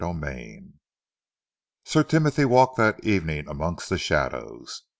CHAPTER XXXI Sir Timothy walked that evening amongst the shadows.